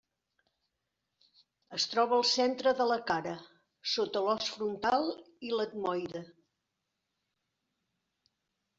Es troba al centre de la cara, sota l'os frontal i l'etmoide.